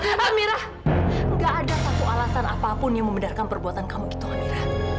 amira gak ada satu alasan apapun yang membedarkan perbuatan kamu itu amira